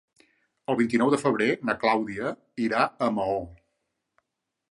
El vint-i-nou de febrer na Clàudia irà a Maó.